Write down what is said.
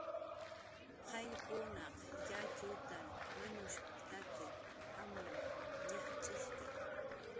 "Qayllkunaq yatxutar manushp""taki amur ñajch'ishki"